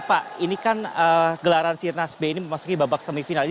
pak ini kan gelaran sirnas b ini memasuki babak semifinal